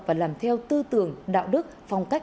và làm theo tư tưởng đạo đức phong cách